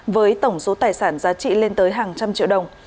với tổng số tài sản giá trị lên tới hàng trăm triệu đồng